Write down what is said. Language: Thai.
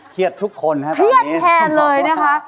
เคลียดทุกคนฮะตอนนี้ขอบคุณค่ะเคลียดแทนเลยนะคะ